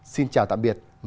xin chào tạm biệt và hẹn gặp lại